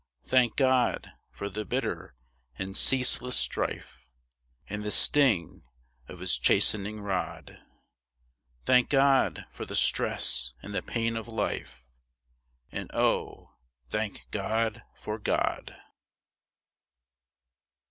Thank God for the bitter and ceaseless strife, And the sting of His chastening rod! Thank God for the stress and the pain of life, And Oh, thank God for God!